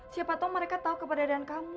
siapa tau mereka tau keberadaan kamu